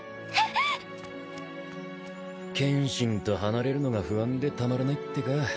剣心と離れるのが不安でたまらないってか。